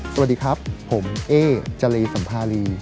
สวัสดีครับผมเอ๊จรีสัมภารี